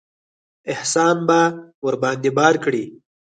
احسان به ورباندې بار کړي.